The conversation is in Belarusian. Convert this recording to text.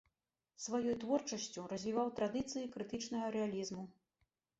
Сваёй творчасцю развіваў традыцыі крытычнага рэалізму.